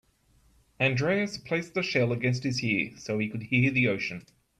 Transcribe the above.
Andreas placed the shell against his ear so he could hear the ocean.